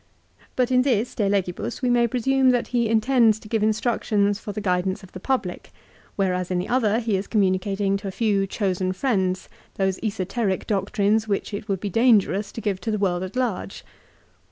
But in this, "De Legibus," we may presume that he intends to give instructions for the guidance of the public, whereas in the other he is communicating to a few chosen friends those esoteric doctrines which it would be dangerous to give to the world at large.